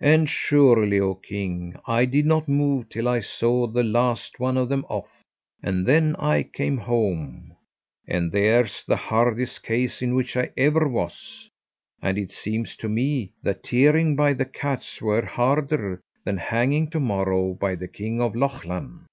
And surely, oh king, I did not move till I saw the last one of them off. And then I came home. And there's the hardest case in which I ever was; and it seems to me that tearing by the cats were harder than hanging to morrow by the king of Lochlann."